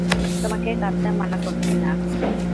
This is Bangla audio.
তোমাকে কাঁদতে মানা করছি না?